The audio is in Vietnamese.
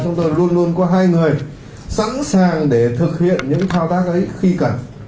chúng tôi luôn luôn có hai người sẵn sàng để thực hiện những thao tác ấy khi cần